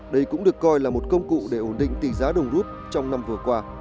đây cũng được coi là một công cụ để ổn định tỷ giá đồng rút trong năm vừa qua